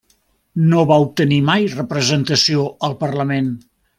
No va obtenir mai representació al Parlament.